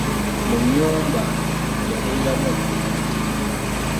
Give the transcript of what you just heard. Mu nnyumba yaguliramu ebintu biyitirivu.